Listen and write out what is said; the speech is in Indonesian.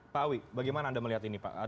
pak awi bagaimana anda melihat ini pak